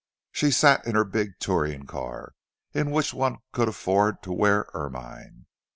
She sat in her big touring car—in which one could afford to wear ermine.